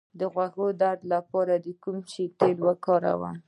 د غوږ د درد لپاره د کوم شي تېل وکاروم؟